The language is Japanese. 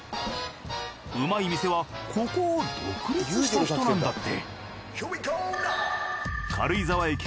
うまい店はここを独立した人なんだって。